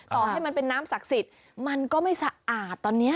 ต่อให้มันเป็นน้ำศักดิ์สิทธิ์มันก็ไม่สะอาดตอนนี้